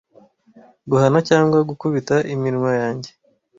guhana cyangwa gukubita iminwa yanjye